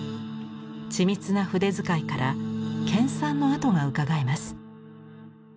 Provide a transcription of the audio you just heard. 緻密な筆遣いから研さんのあとがうかがえます。